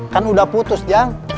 kan udah putus ya